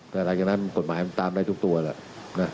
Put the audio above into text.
แต่หลังจากนั้นกฎหมายมันตามได้ทุกตัวแหละ